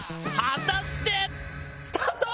果たして？スタート！